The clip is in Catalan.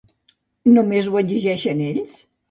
Només ho exigeixen ells?